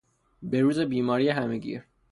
بروز بیماری همهگیر